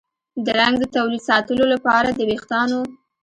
د رنګ د تولید ساتلو لپاره د ویښتانو